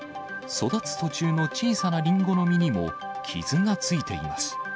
育つ途中の小さなりんごの実にも、傷がついています。